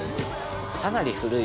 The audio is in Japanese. かなり古い。